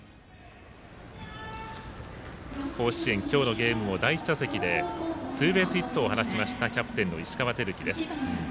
甲子園、今日のゲームは第１打席でツーベースヒットを放ちましたキャプテンの石川瑛貴です。